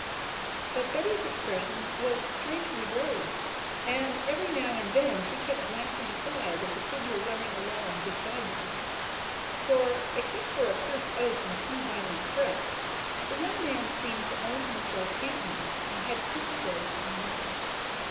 But Betty's expression was strangely grave and every now and then she kept glancing aside at the figure running along beside them. For, except for a first oath and a few violent threats, the young man seemed to own himself beaten and had since said nothing.